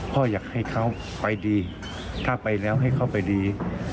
พ่ออยากให้เขาไปดีถ้าไปแล้วให้เขาไปดี